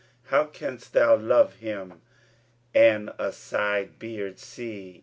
* How canst thou love him and a side beard see?'